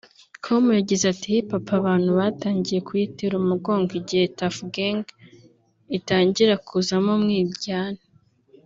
com yagize ati “Hip Hop abantu batangiye kuyitera umugongo igihe Tuff Gangz itangira kuzamo umwiryane